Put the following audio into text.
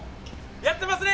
やってますね！